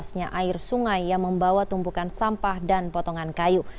senya air sungai yang membawa tumpukan sampah dan potongan kayu